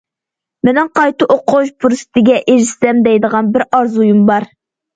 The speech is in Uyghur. مېنىڭ قايتا ئوقۇش پۇرسىتىگە ئېرىشسەم، دەيدىغان بىر ئارزۇيۇم بار.